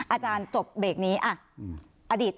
อาจารย์จบเบรกนี้อดีต